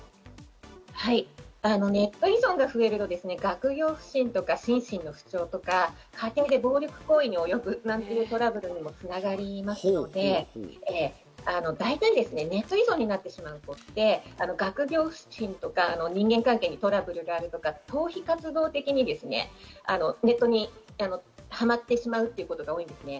ネット依存が増えると学業不振とか、心身の不調とか、家庭で暴力行為に及ぶなんていうトラブルにも繋がりますので、大体、ネット依存になってしまう人って学業不振とか、人間関係にトラブルがあるとか、逃避活動的にネットにはまってしまうということが多いんですね。